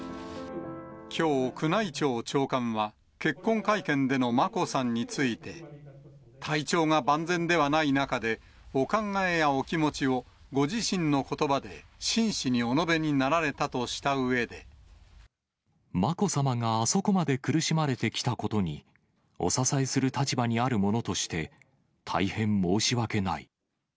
きょう、宮内庁長官は、結婚会見での眞子さんについて、体調が万全ではない中で、お考えやお気持ちをご自身のことばで真摯にお述べになられたとしまこさまがあそこまで苦しまれてきたことに、お支えする立場にある者として、大変申し訳ない。